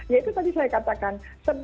ya itu tadi saya katakan